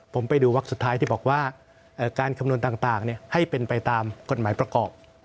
ผมไปดูวักสุดท้ายที่บอกว่าการคำนวณต่างให้เป็นไปตามกฎหมายประกอบ